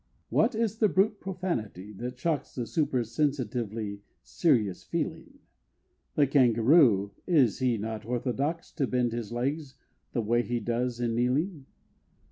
What is the brute profanity that shocks The super sensitively serious feeling? The Kangaroo is he not orthodox To bend his legs, the way he does, in kneeling?